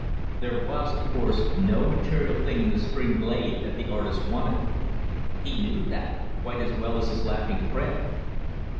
There was, of course, no material thing in the spring glade that the artist wanted. He knew that quite as well as his laughing friend.